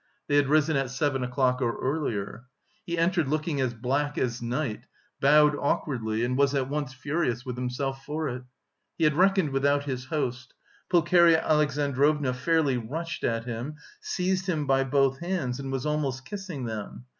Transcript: They had risen at seven o'clock or earlier. He entered looking as black as night, bowed awkwardly and was at once furious with himself for it. He had reckoned without his host: Pulcheria Alexandrovna fairly rushed at him, seized him by both hands and was almost kissing them.